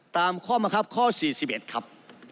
ตามข้อบังคับข้อ๔๑ครับ